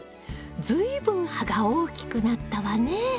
随分葉が大きくなったわね！